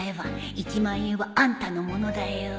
１万円はあんたのものだよ。